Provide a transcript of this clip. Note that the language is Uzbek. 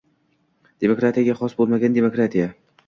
Demokratiyaga xos bo‘lmagan «demokratiya»